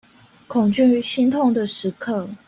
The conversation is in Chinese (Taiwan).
恐懼心痛的時刻